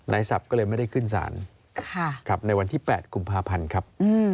ศัพท์ก็เลยไม่ได้ขึ้นศาลในวันที่๘กุมภาพันธ์ครับ